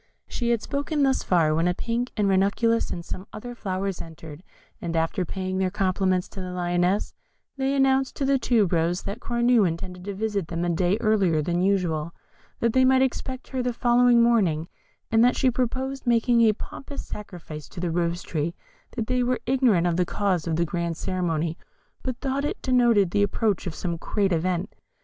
She had spoken thus far, when a pink, a ranunculus, and some other flowers entered, and after paying their compliments to the Lioness, they announced to the Tube rose that Cornue intended to visit them a day earlier than usual; that they might expect her the following morning, and that she proposed making a pompous sacrifice to the Rose tree; that they were ignorant of the cause of this grand ceremony, but thought it denoted the approach of some great event.